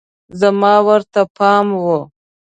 زما ورته پام و